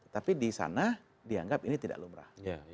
tapi di sana dianggap ini tidak lumrah